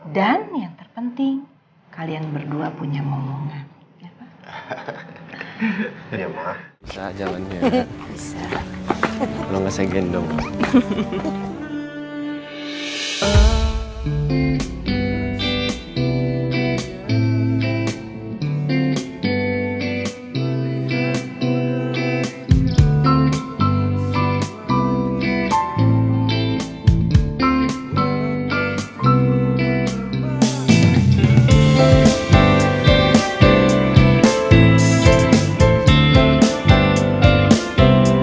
dan yang terpenting kalian berdua punya momongan ya maaf